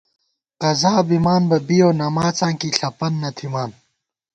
قضا بِمان بہ بِیَؤ نماڅاں کی ݪَپَن نہ تھِمان